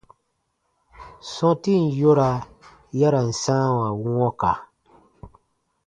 Sɔ̃tin yora ya ra n sãawa wɔ̃ka.